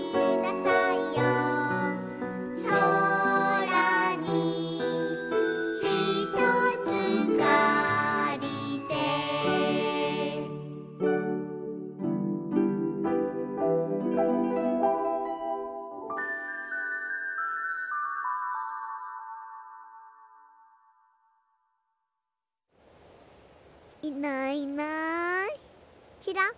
「そらにひとつかりて」いないいないちらっ。